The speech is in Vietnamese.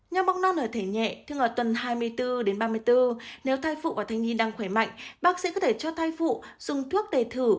nho bong non ở thể nhẹ thường ở tuần hai mươi bốn đến ba mươi bốn nếu thai phụ và thai nhi đang khỏe mạnh bác sĩ có thể cho thai phụ dùng thuốc đề thử